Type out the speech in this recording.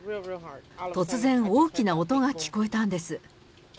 突然、大きな音が聞こえたんです。